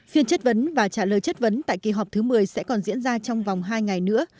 phiên chất vấn và trả lời chất vấn tại kỳ họp thứ một mươi sẽ còn diễn ra trong vòng hai ngày nữa